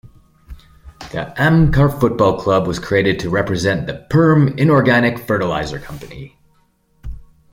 The Amkar football club was created to represent the Perm Inorganic Fertilizer Company.